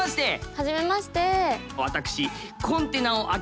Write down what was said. はじめまして。